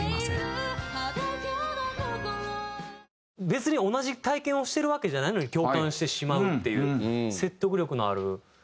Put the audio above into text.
別に同じ体験をしてるわけじゃないのに共感してしまうっていう。